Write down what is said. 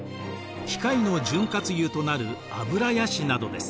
機械の潤滑油となるアブラヤシなどです。